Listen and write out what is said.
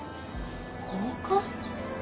放火？